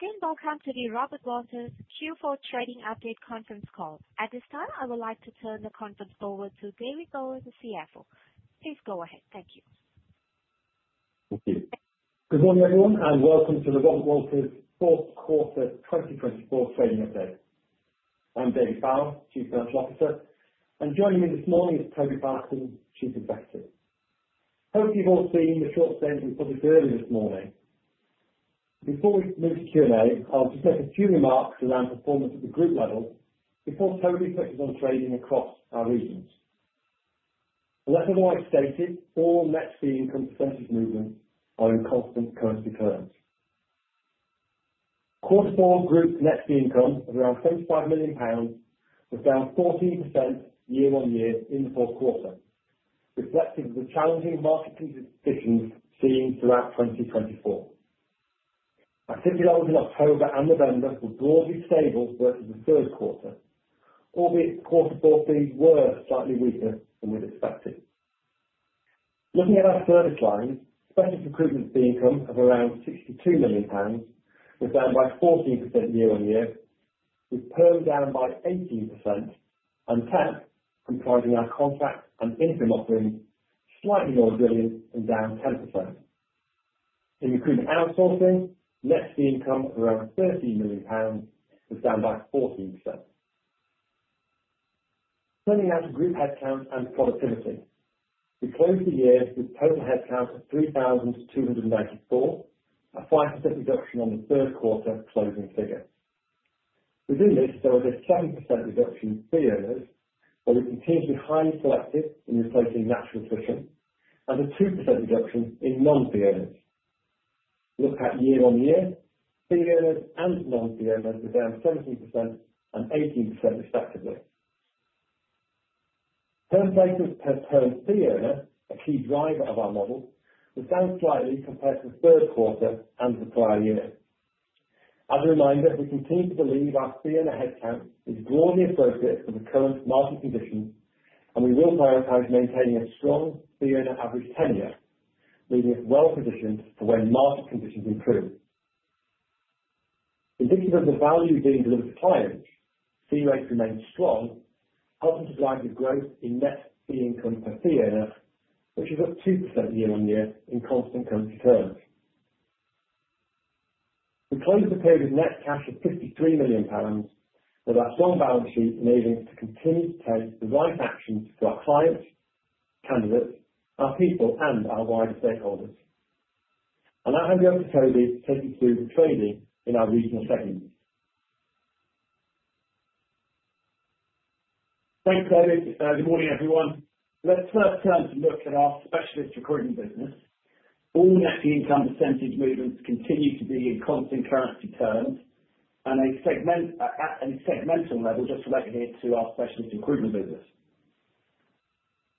Good evening. Welcome to the Robert Walters Q4 Trading Update conference call. At this time, I would like to turn the conference over to David Bower, the CFO. Please go ahead. Thank you. Thank you. Good morning, everyone, and welcome to the Robert Walters fourth quarter 2024 trading update. I'm David Bower, Chief Financial Officer, and joining me this morning is Toby Fowlston, Chief Executive. Hope you've all seen the short session published earlier this morning. Before we move to Q&A, I'll just make a few remarks around performance at the group level before Toby focuses on trading across our regions. As I've already stated, all net fee income percentage movements are in constant currency terms. Quarter four group net fee income of around GBP 25 million was down 14% year-on-year in the fourth quarter, reflective of the challenging market conditions seen throughout 2024. Our temp levels in October and November were broadly stable versus the third quarter, albeit quarter four fees were slightly weaker than we'd expected. Looking at our service lines, Specialist Recruitment fee income of around GBP 62 million was down by 14% year-on-year, with perm down by 18%, and contract and interim offerings slightly more resilient and down 10%. In Recruitment Outsourcing, net fee income of around GBP 13 million was down by 14%. Turning now to group headcount and productivity, we closed the year with total headcount of 3,294, a 5% reduction on the third quarter closing figure. Within this, there was a 7% reduction in fee earners, where we continue to be highly selective in replacing natural attrition, and a 2% reduction in non-fee earners. Looked at year-on-year, fee earners and non-fee earners were down 17% and 18% respectively. Perm placements per perm fee earner, a key driver of our model, was down slightly compared to the third quarter and the prior year. As a reminder, we continue to believe our fee earner headcount is broadly appropriate for the current market conditions, and we will prioritize maintaining a strong fee earner average tenure, leaving us well positioned for when market conditions improve. Indicative of the value being delivered to clients, fee rates remained strong, helping to drive the growth in net fee income per fee earner, which is up 2% year-on-year in constant currency terms. We closed the period with net cash of 53 million pounds, with our strong balance sheet enabling us to continue to take the right actions for our clients, candidates, our people, and our wider stakeholders. I'll hand over to Toby to take us through the trading in our regional segments. Thanks, Toby. Good morning, everyone. Let's first turn to look at our Specialist Recruitment business. All net fee income percentage movements continue to be in constant currency terms, and at a segmental level just related here to our Specialist Recruitment business.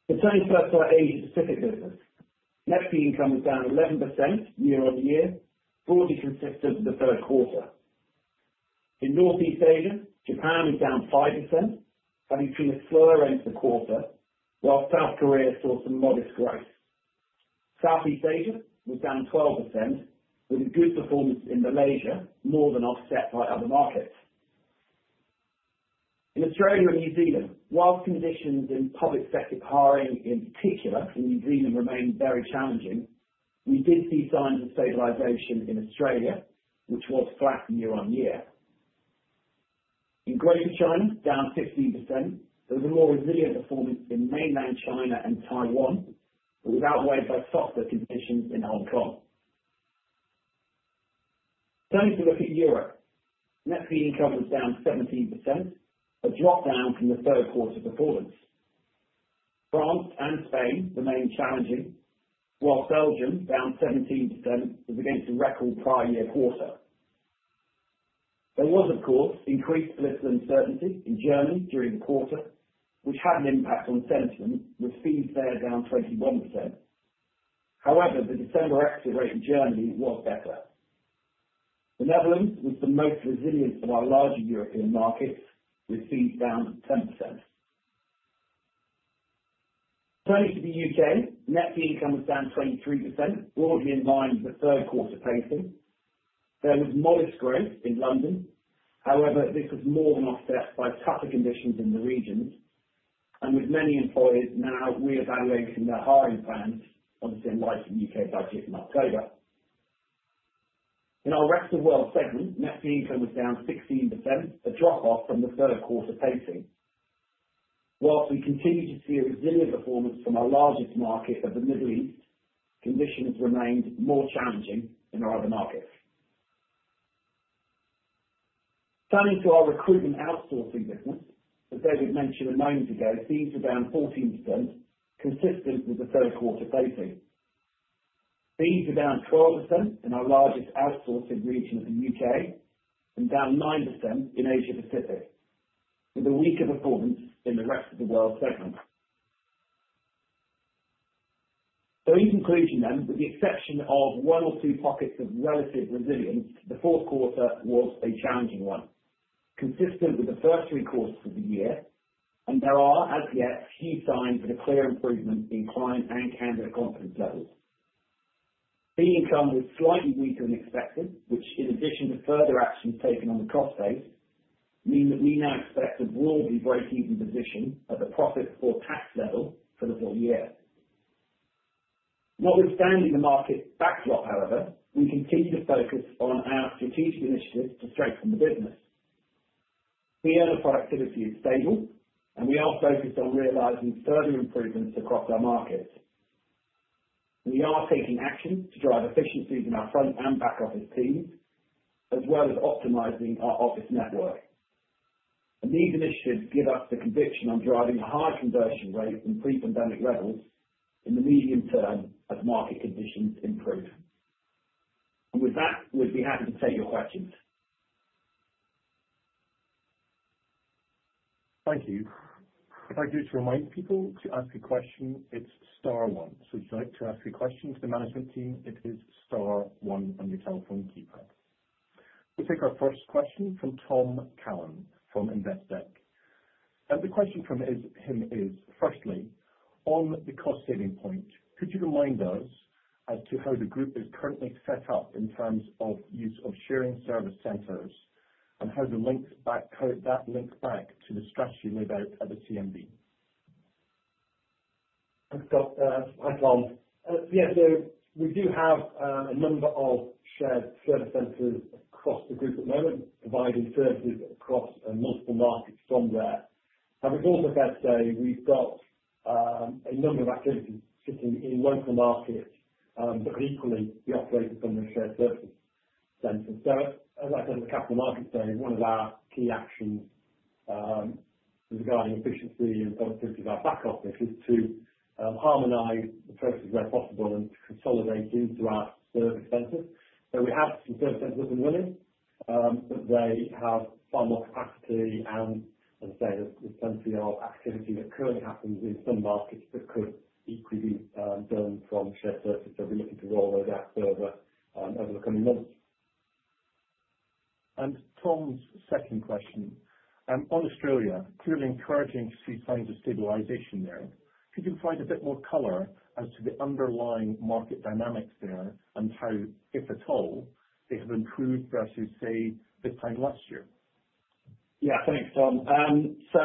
The same for our Asia-Pacific business. Net fee income was down 11% year-on-year, broadly consistent with the third quarter. In Northeast Asia, Japan was down 5%, having seen a slower end to the quarter, while South Korea saw some modest growth. Southeast Asia was down 12%, with a good performance in Malaysia, more than offset by other markets. In Australia and New Zealand, while conditions in public sector hiring in particular in New Zealand remained very challenging, we did see signs of stabilization in Australia, which was flat year-on-year. In Greater China, down 15%, there was a more resilient performance in Mainland China and Taiwan, but was outweighed by softer conditions in Hong Kong. Turning to look at Europe, net fee income was down 17%, a drop down from the third quarter performance. France and Spain remained challenging, while Belgium down 17% was against a record prior year quarter. There was, of course, increased political uncertainty in Germany during the quarter, which had an impact on sentiment, with fees there down 21%. However, the December exit rate in Germany was better. The Netherlands was the most resilient of our larger European markets, with fees down 10%. Turning to the UK, net fee income was down 23%, broadly in line with the third quarter pacing. There was modest growth in London. However, this was more than offset by tougher conditions in the regions, and with many employers now reevaluating their hiring plans, obviously in light of the UK Budget in October. In our Rest of the World segment, net fee income was down 16%, a drop off from the third quarter pacing. While we continue to see a resilient performance from our largest market of the Middle East, conditions remained more challenging than our other markets. Turning to our Recruitment Outsourcing business, as David mentioned a moment ago, fees were down 14%, consistent with the third quarter pacing. Fees were down 12% in our largest outsourcing region in the U.K. and down 9% in Asia-Pacific, with a weaker performance in the Rest of the World segment. So, in conclusion then, with the exception of one or two pockets of relative resilience, the fourth quarter was a challenging one, consistent with the first three quarters of the year, and there are as yet few signs of a clear improvement in client and candidate confidence levels. Fee income was slightly weaker than expected, which, in addition to further actions taken on the cost base, mean that we now expect a broadly break-even position at the profit before tax level for the full year. Notwithstanding the market backdrop, however, we continue to focus on our strategic initiatives to strengthen the business. Fee earner productivity is stable, and we are focused on realizing further improvements across our markets. We are taking action to drive efficiencies in our front and back office teams, as well as optimizing our office network. And these initiatives give us the conviction on driving a high conversion rate from pre-pandemic levels in the medium term as market conditions improve. And with that, we'd be happy to take your questions. Thank you. If I could just remind people to ask a question, it's star one. So if you'd like to ask a question to the management team, it is star one on your telephone keypad. We'll take our first question from Tom Callan from Investec. And the question from him is, firstly, on the cost saving point, could you remind us as to how the group is currently set up in terms of use of shared service centers and how that links back to the strategy laid out at the CMD? Thanks, Tom. Yeah, so we do have a number of shared service centers across the group at the moment, providing services across multiple markets from there. I would also be fair to say we've got a number of activities sitting in local markets, but equally we operate from the shared service centers. So, as I said in the Capital Markets Day, one of our key actions regarding efficiency and productivity of our back office is to harmonize the processes where possible and to consolidate into our service centers. So we have some service centers up and running, but they have far more capacity and, as I say, there's plenty of activity that currently happens in some markets that could equally be done from shared services. So we're looking to roll those out further over the coming months. Tom's second question. On Australia, clearly encouraging to see signs of stabilization there. Could you provide a bit more color as to the underlying market dynamics there and how, if at all, they have improved versus, say, this time last year? Yeah, thanks, Tom. So,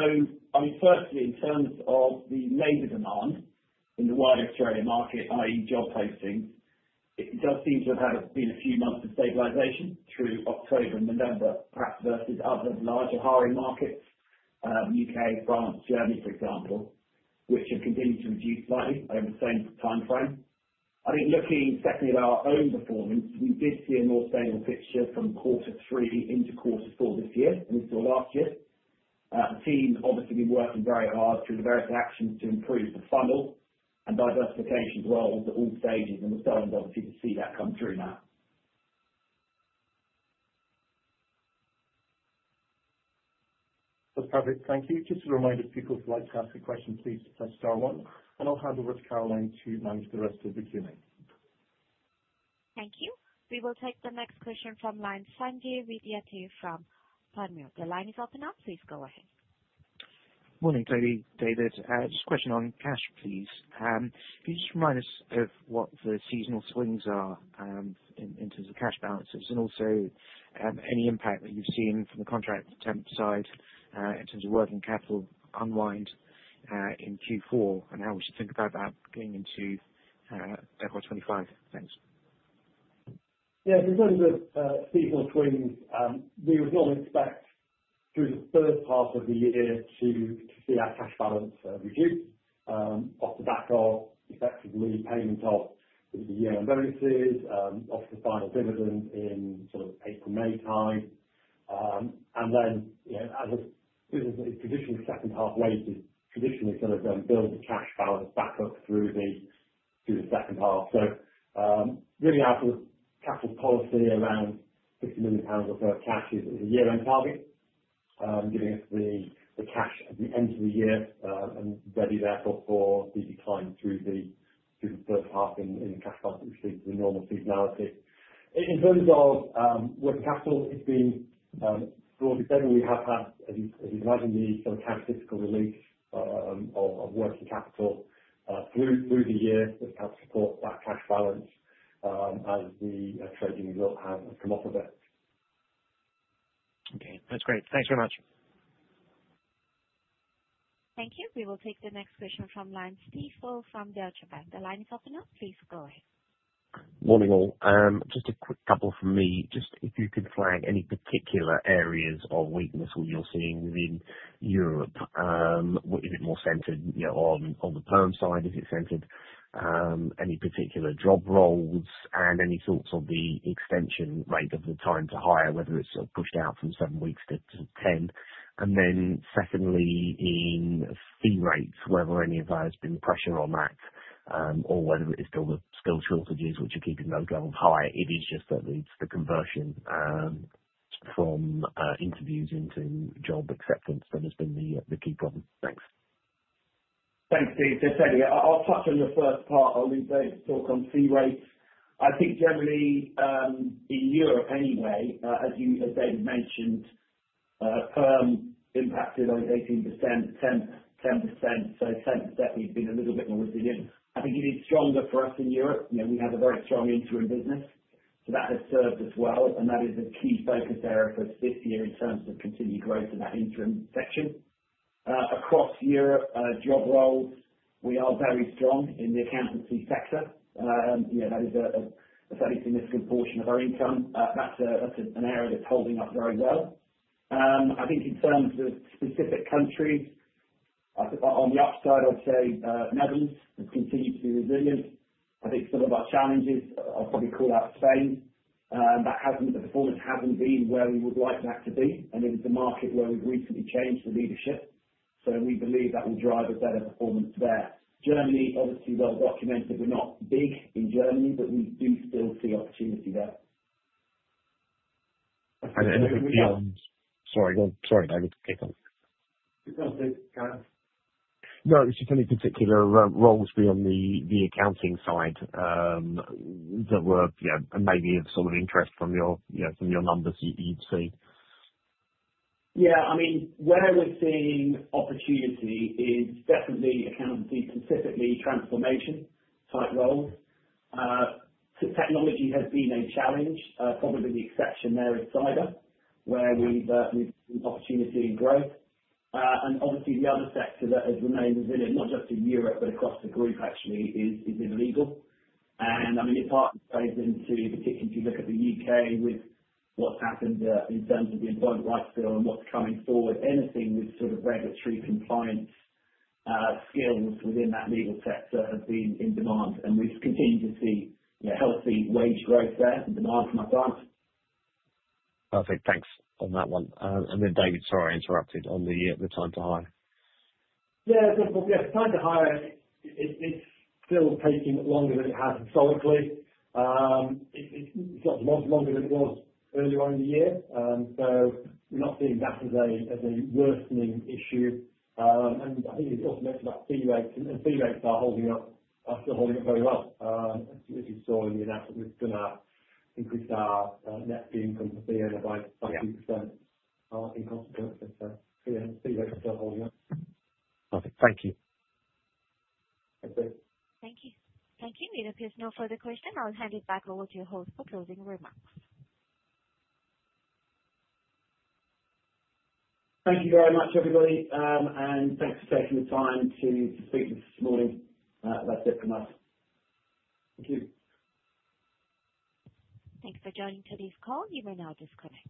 I mean, firstly, in terms of the labor demand in the wider Australian market, i.e., job postings, it does seem to have had a few months of stabilization through October and November, perhaps versus other larger hiring markets, UK, France, Germany, for example, which have continued to reduce slightly over the same timeframe. I think looking secondly at our own performance, we did see a more stable picture from quarter three into quarter four this year and into last year. The team obviously has been working very hard through the various actions to improve the funnel and diversification as well over all stages, and we're starting to obviously see that come through now. That's perfect. Thank you. Just a reminder, if people would like to ask a question, please press star one, and I'll hand over to Caroline to manage the rest of the Q&A. Thank you. We will take the next question from line Sanjay Vidyarthi from Panmure. The line is open now. Please go ahead. Morning, Toby Fowlston. David, just a question on cash, please. Could you just remind us of what the seasonal swings are in terms of cash balances and also any impact that you've seen from the contract temp side in terms of working capital unwind in Q4 and how we should think about that going into FY25? Thanks. Yeah, in terms of seasonal swings, we would normally expect through the first half of the year to see our cash balance reduce off the back of effectively payment of the year-end bonuses, off the final dividend in sort of April, May time. And then as a position, the second half wages traditionally sort of build the cash balance back up through the second half. So really our sort of capital policy around 50 million pounds of cash is a year-end target, giving us the cash at the end of the year and ready therefore for the decline through the first half in the cash balance to receive the normal seasonality. In terms of working capital, it's been broadly steady. We have had, as you can imagine, the sort of counter-typical release of working capital through the year that helps support that cash balance as the trading result has come off of it. Okay, that's great. Thanks very much. Thank you. We will take the next question from line Steve Woolf from Deutsche Bank. The line is open now. Please go ahead. Morning all. Just a quick couple from me. Just if you can flag any particular areas of weakness you're seeing within Europe, is it more centered on the perm side? Is it centered on any particular job roles and any sorts of the extension rate of the time to hire, whether it's pushed out from seven weeks to 10? And then secondly, in fee rates, whether any of that has been pressure on that or whether it is still the skill shortages which are keeping those levels high. It is just that it's the conversion from interviews into job acceptance that has been the key problem. Thanks. Thanks, Steve. So, Sandy, I'll touch on your first part. I'll leave Dave to talk on fee rates. I think generally in Europe anyway, as David mentioned, perm impacted on 18%, temp 10%, so temp certainly has been a little bit more resilient. I think it is stronger for us in Europe. We have a very strong interim business, so that has served us well, and that is a key focus area for us this year in terms of continued growth in that interim section. Across Europe, job roles, we are very strong in the accountancy sector. That is a fairly significant portion of our income. That's an area that's holding up very well. I think in terms of specific countries, on the upside, I'd say Netherlands has continued to be resilient. I think some of our challenges, I'll probably call out Spain, that performance hasn't been where we would like that to be, and it is a market where we've recently changed the leadership, so we believe that will drive a better performance there. Germany, obviously well documented, we're not big in Germany, but we do still see opportunity there. And anything beyond? Sorry, go on. Sorry, David. Keep going. It's all good, carry on. No, it's just any particular roles beyond the accounting side that were maybe of sort of interest from your numbers you'd see. Yeah, I mean, where we're seeing opportunity is definitely accountancy, specifically transformation type roles. Technology has been a challenge. Probably the exception there is cyber, where we've seen opportunity in growth. And obviously, the other sector that has remained resilient, not just in Europe but across the group actually, is in legal. And I mean, it partly plays into, particularly if you look at the U.K. with what's happened in terms of the Employment Rights Bill and what's coming forward, anything with sort of regulatory compliance skills within that legal sector has been in demand, and we've continued to see healthy wage growth there and demand from our clients. Perfect. Thanks on that one. And then David, sorry, I interrupted on the time to hire. Yeah, of course. Yeah, time to hire. It's still taking longer than it has historically. It's got a lot longer than it was earlier on in the year, so we're not seeing that as a worsening issue. And I think you also mentioned about fee rates, and fee rates are holding up, are still holding up very well. As you saw in the announcement, we've increased our net fee income for fee earner by 2% in consequence. So fee rates are still holding up. Perfect. Thank you. Thank you. Thank you. Thank you. We don't have no further questions. I'll hand it back over to your host for closing remarks. Thank you very much, everybody, and thanks for taking the time to speak with us this morning. That's it from us. Thank you. Thanks for joining today's call. You may now disconnect.